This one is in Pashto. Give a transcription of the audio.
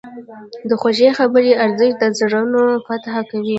د خوږې خبرې ارزښت د زړونو فتح کوي.